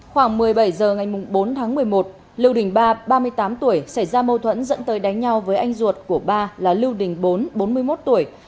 khoảng một mươi bảy h ngày bốn tháng một mươi một lưu đình ba ba mươi tám tuổi xảy ra mâu thuẫn dẫn tới đánh nhau với anh ruột của ba là lưu đình bốn bốn mươi một tuổi